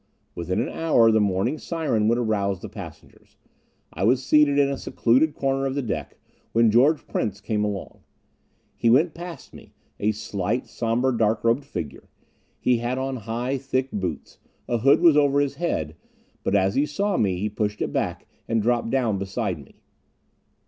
Within an hour the morning siren would arouse the passengers. I was seated in a secluded corner of the deck, when George Prince came along. He went past me, a slight, somber, dark robed figure. He had on high, thick boots. A hood was over his head, but as he saw me he pushed it back and dropped down beside me.